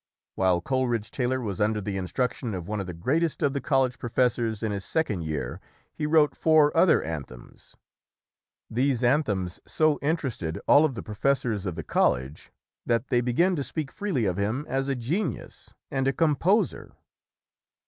While Coleridge Taylor was under the instruction of one of the greatest of the college professors in his second year, he wrote four other anthems. These anthems so in terested all of the professors of the college that SAMUEL COLERIDGE TAYLOR [ 137 they began to speak freely of him as a genius and a composer.